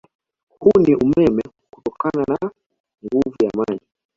Huu ni umeme utokanao na nguvu ya maji